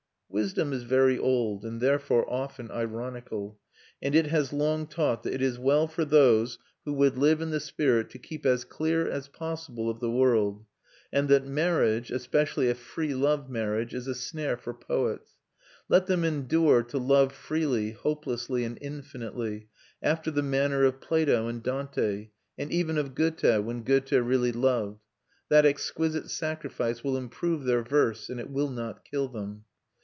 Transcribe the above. Wisdom is very old and therefore often ironical, and it has long taught that it is well for those who would live in the spirit to keep as clear as possible of the world: and that marriage, especially a free love marriage, is a snare for poets. Let them endure to love freely, hopelessly, and infinitely, after the manner of Plato and Dante, and even of Goethe, when Goethe really loved: that exquisite sacrifice will improve their verse, and it will not kill them.